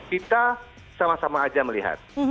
kita sama sama aja melihat